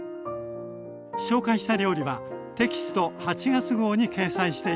紹介した料理はテキスト８月号に掲載しています。